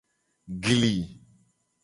Gli.